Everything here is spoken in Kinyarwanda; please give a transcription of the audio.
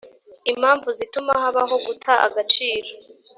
impamvu zituma habaho guta agaciro